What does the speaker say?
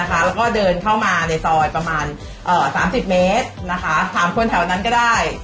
แล้วก็เดินเข้ามาในซอยประมาณ๓๐เมตรถามคนแถวนั้นก็ได้